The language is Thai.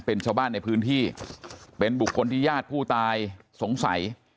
เป็นชาวบ้านในพื้นที่เป็นบุคคลที่ญาติผู้ตายสงสัย